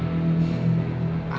masi masi segitu ya